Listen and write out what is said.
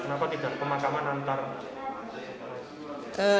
kenapa tidak pemakaman antar